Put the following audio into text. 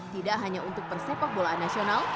tidak hanya untuk persepak bolaan nasional